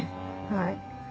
はい。